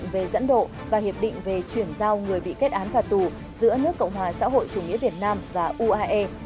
về dẫn độ và hiệp định về chuyển giao người bị kết án phạt tù giữa nước cộng hòa xã hội chủ nghĩa việt nam và uae